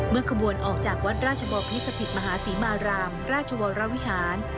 ขบวนออกจากวัดราชบอพิสถิตมหาศรีมารามราชวรวิหาร